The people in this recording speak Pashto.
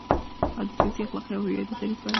او د سیاسي، اخلاقي او هویتي دریځ بڼه خپلوي،